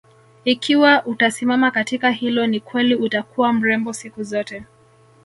Ikiwa utasimama katika hilo ni kweli utakuwa mrembo siku zote